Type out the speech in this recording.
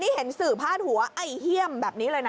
เห็นสื่อพาดหัวไอ้เฮี่ยมแบบนี้เลยนะ